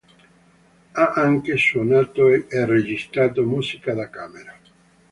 Ha anche suonato e registrato musica da camera.